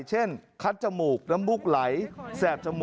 เช่นเดียว